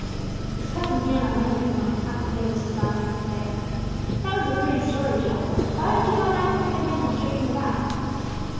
His cousin Hannah lingered a moment after the others had gone in, to say, "That was a pretty story, Joel. Why don't you go and ask the good man to straighten your back?"